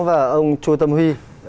và ông chu tâm huy